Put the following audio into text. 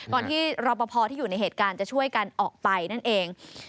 ที่รอปภที่อยู่ในเหตุการณ์จะช่วยกันออกไปนั่นเอง